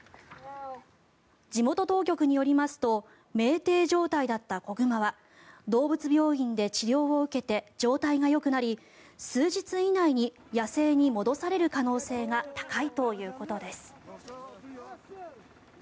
地元当局によりますと酩酊状態だった子熊は動物病院で治療を受けて状態がよくなり数日以内に野生に戻される可能性が高いということです。